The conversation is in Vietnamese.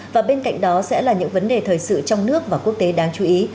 và bên cạnh đó sẽ là những vấn đề thời sự trong nước và quốc tế đáng chú ý